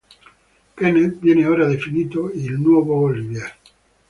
Kenneth viene ora definito "il nuovo Olivier".